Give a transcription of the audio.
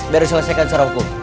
biar diselesaikan secara hukum